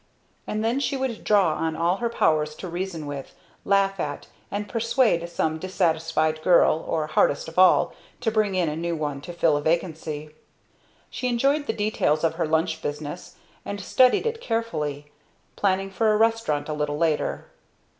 And then she would draw on all her powers to reason with, laugh at, and persuade some dissatisfied girl; or, hardest of all, to bring in a new one to fill a vacancy. She enjoyed the details of her lunch business, and studied it carefully; planning for a restaurant a little later.